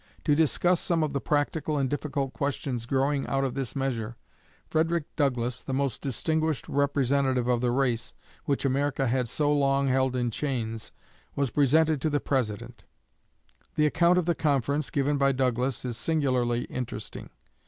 To discuss some of the practical and difficult questions growing out of this measure, Frederick Douglass, the most distinguished representative of the race which America had so long held in chains, was presented to the President. The account of the conference, given by Douglass, is singularly interesting.